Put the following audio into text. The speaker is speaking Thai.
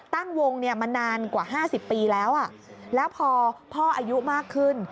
ตั้งวงมานานกว่า๕๐ปีแล้วแล้วพอพ่ออายุมากขึ้น